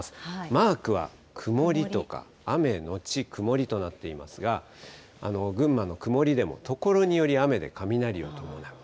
マークは曇りとか、雨後曇りとなっていますが、群馬の曇りでも、所により雨で雷を伴う。